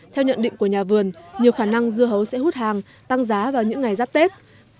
theo nhận định của nhà vườn nhiều khả năng dưa hấu sẽ hút hàng tăng giá vào những ngày giáp tết